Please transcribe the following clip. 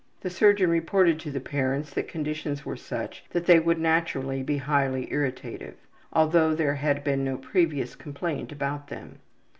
The surgeon reported to the parents that conditions were such that they would naturally be highly irritative, although there had been no previous complaint about them.